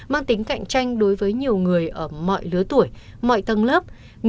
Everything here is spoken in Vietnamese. mang tính cạnh tranh đối với nhiều người ở mọi lứa tuổi mọi tầng lớp